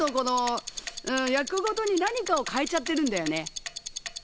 役ごとに何かを変えちゃってるんだよね。